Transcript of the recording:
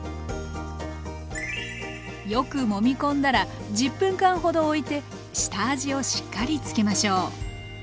よくもみ込んだら１０分間ほどおいて下味をしっかりつけましょう。